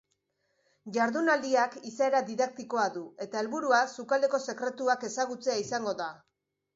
Jardunaldiak izaera didaktikoa du eta helburua sukaldeko sekretuak ezagutzea izango da.